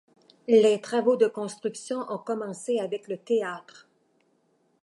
Les travaux de construction ont commencé avec le théâtre.